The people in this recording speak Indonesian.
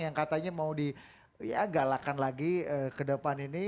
yang katanya mau di ya galakan lagi ke depan ini